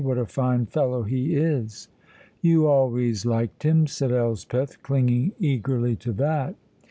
"What a fine fellow he is!" "You always liked him," said Elspeth, clinging eagerly to that.